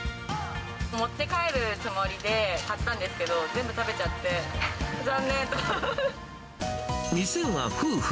持って帰るつもりで買ったんですけど、全部食べちゃって、残念とか。